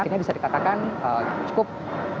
akhirnya bisa dikatakan cukup